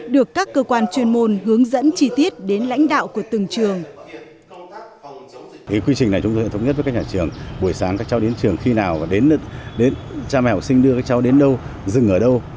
được các cơ quan chuyên môn hướng dẫn chi tiết đến lãnh đạo của từng trường